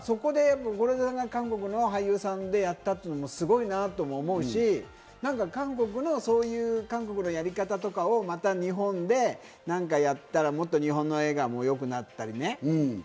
韓国の俳優さんでやったというのもすごいと思うし、韓国のやり方とかをまた日本でやったら、もっと日本の映画もよくなったりね。